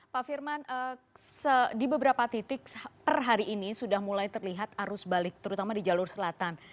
pak firman di beberapa titik per hari ini sudah mulai terlihat arus balik terutama di jalur selatan